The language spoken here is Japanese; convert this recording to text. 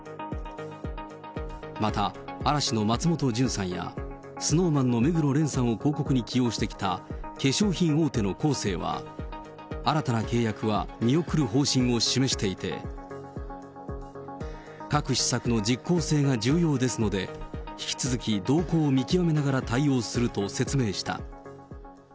また、嵐の松本潤さんやＳｎｏｗＭａｎの目黒蓮さんを広告に起用してきた化粧品大手のコーセーは新たな契約は見送る方針を示していて、各施策の実効性が重要ですので、引き続き動向を見極めながら対応すると説明した。